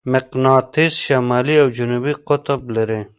مقناطیس شمالي او جنوبي قطب لري.